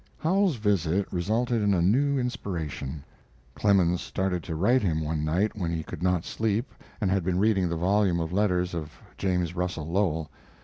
Howells's visit resulted in a new inspiration. Clemens started to write him one night when he could not sleep, and had been reading the volume of letters of James Russell Lowell.